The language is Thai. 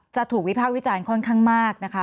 ถูกวิพากษ์วิจารณ์ค่อนข้างมากนะคะ